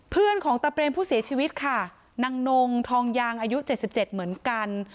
เพื่อนของตะเบรมผู้เสียชีวิตค่ะนางนงทองยางอายุ๗๗เหมือนกัน